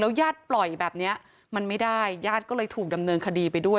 ญาติปล่อยแบบนี้มันไม่ได้ญาติก็เลยถูกดำเนินคดีไปด้วย